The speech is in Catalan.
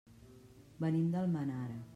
Venim d'Almenara.